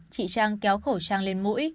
chị trang kéo khẩu trang lên mũi